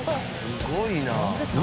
すごいな。